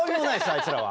あいつらは。